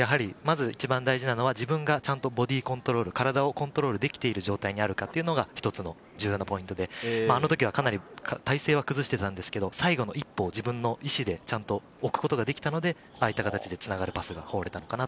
一番大事なのは自分がちゃんとボディコントロールができてる状態にあるかっていうのが一つの重要なポイントで、あの時はかなり体勢は崩してたんですけど、最後の一歩を自分の意思で置くことができたので、ああいった形でつながるパスが放れたのかな？